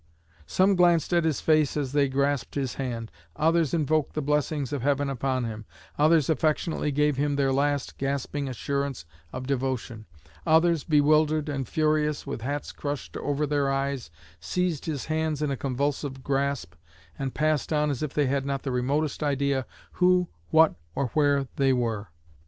Some glanced at his face as they grasped his hand; others invoked the blessings of heaven upon him; others affectionately gave him their last gasping assurance of devotion; others, bewildered and furious, with hats crushed over their eyes, seized his hands in a convulsive grasp, and passed on as if they had not the remotest idea who, what, or where they were.'